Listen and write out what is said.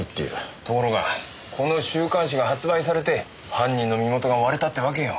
ところがこの週刊誌が発売されて犯人の身元が割れたってわけよ。